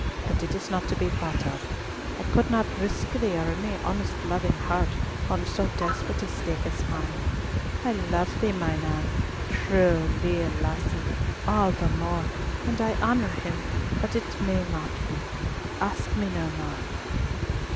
But it is not to be thought of. I could not risk thee, or any honest loving heart, on so desperate a stake as mine! I love thee, mine ain, true, leal lassie, all the more, and I honour him; but it may not be! Ask me no more."